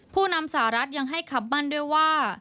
ผู้นำสหรัฐยังให้คำมั่นด้วยว่า